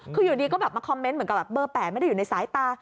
คืออยู่ดีก็แบบมาคอมเมนต์เหมือนกับแบบเบอร์๘ไม่ได้อยู่ในสายตา